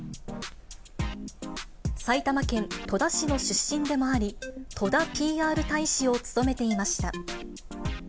埼玉県戸田市の出身でもあり、とだＰＲ大使を務めていました。